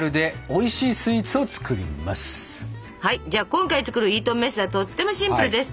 今回作るイートンメスはとってもシンプルです。